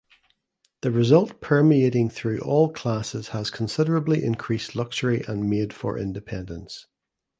The result permeating through all classes has considerably increased luxury and made for independence.